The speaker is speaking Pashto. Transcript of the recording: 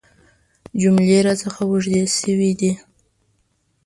جملې راڅخه اوږدې شوي دي .